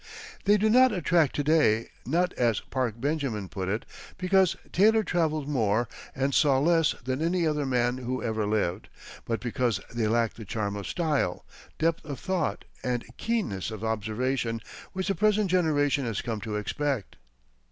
They do not attract to day, not, as Park Benjamin put it, because Taylor travelled more and saw less than any other man who ever lived, but because they lack the charm of style, depth of thought, and keenness of observation which the present generation has come to expect.